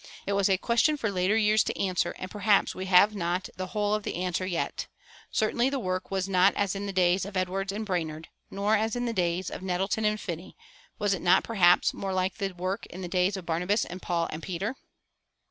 It was a question for later years to answer, and perhaps we have not the whole of the answer yet. Certainly the work was not as in the days of Edwards and Brainerd, nor as in the days of Nettleton and Finney; was it not, perhaps, more like the work in the days of Barnabas and Paul and Peter?